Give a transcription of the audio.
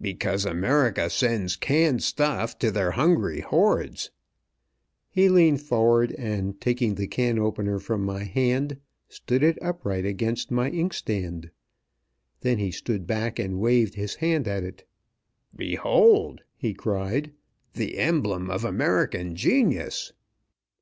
Because America sends canned stuff to their hungry hordes!" He leaned forward, and, taking the can opener from my hand, stood it upright against my inkstand. Then he stood back and waved his hand at it. "Behold!" he cried. "The emblem of American genius!"